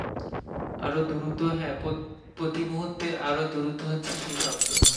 আরো দ্রুত, হ্যাঁ প্রতি মুহুর্তে আরো দ্রুত হচ্ছে সেই শব্দ।